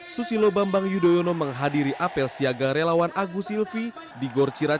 susilo bambang yudhoyono menghadiri apel siaga relawan agus silvi di gorcirat